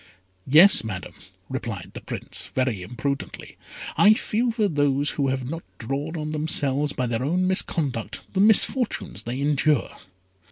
"Yes, Madam," replied the Prince, very imprudently, "I feel for those who have not drawn on themselves by their own misconduct the misfortunes they endure."